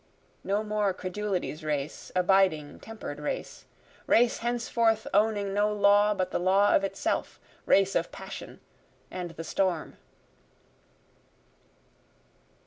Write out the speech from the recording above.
(No more credulity's race, abiding temper'd race,) Race henceforth owning no law but the law of itself, Race of passion and the storm.